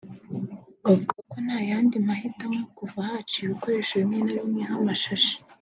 bavuga ko nta yandi mahitamo kuva haciwe ibikoresho bimwe na bimwe nk’amashashi